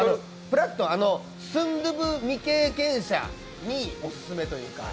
スンドゥブ未経験者にオススメというか。